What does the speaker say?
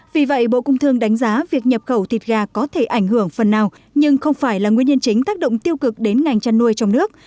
vì vậy bộ công thương đánh giá việc nhập khẩu thịt gà có thể ảnh hưởng phần nào nhưng không phải là nguyên nhân chính tác động tiêu cực đến ngành chăn nuôi trong nước